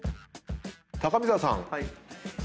高見沢さん。